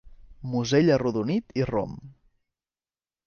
Musell arrodonit i rom.